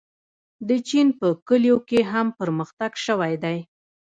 د چین په کلیو کې هم پرمختګ شوی دی.